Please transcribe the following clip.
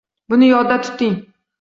Buni yodda tuting